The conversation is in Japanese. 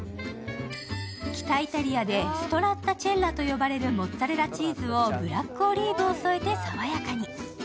北イタリアでストラッタチェッラと呼ばれるモッツァレラチーズをブラックオリーブを添えて爽やかに。